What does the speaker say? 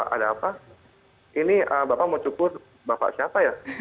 ada apa ini bapak mau cukur bapak siapa ya